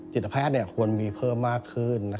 จิตแพทย์ควรมีเพิ่มมากขึ้น